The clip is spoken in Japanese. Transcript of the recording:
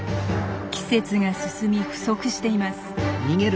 季節が進み不足しています。